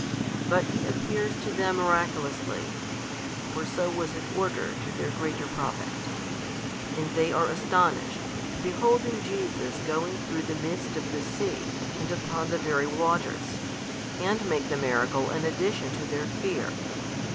But He appears to them miraculously (for so was it ordered to their greater profit) and they are astonished beholding Jesus going through the midst of the sea and upon the very waters, and make the miracle an addition to their fear.